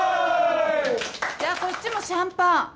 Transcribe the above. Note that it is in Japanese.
じゃあこっちもシャンパン。